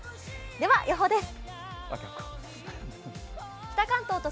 では予報です。